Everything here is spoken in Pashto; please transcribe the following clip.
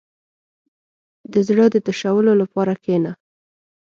• د زړۀ د تشولو لپاره کښېنه.